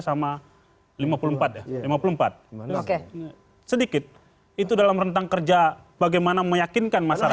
sedikit itu dalam rentang kerja bagaimana meyakinkan masyarakat